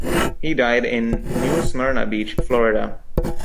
He died in New Smyrna Beach, Florida.